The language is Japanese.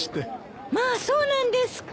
まあそうなんですか！